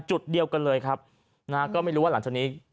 จุดเดียวกันเลยครับนะฮะก็ไม่รู้ว่าหลังจากนี้